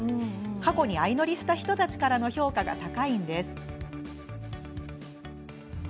過去に相乗りした人たちからの評価が高いんです。